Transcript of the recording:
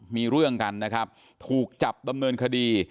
มีเรื่องกันนะครับถูกจับดำเนินคดี